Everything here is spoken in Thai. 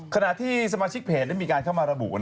ขณะที่สมาชิกเพจได้มีการเข้ามาระบุ